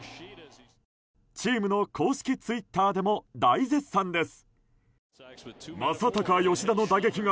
チームの公式ツイッターでも大絶賛です。